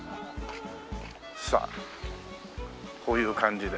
さあこういう感じで。